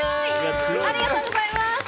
ありがとうございます。